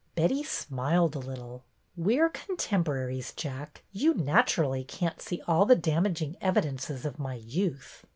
Betty smiled a little. We are contemporaries. Jack. You, natu rally, can't see all the damaging evidences of my youth."